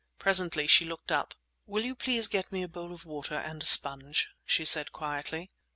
Presently she looked up. "Will you please get me a bowl of water and a sponge?" she said quietly.